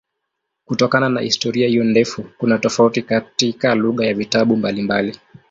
Kutokana na historia hiyo ndefu kuna tofauti katika lugha ya vitabu mbalimbali.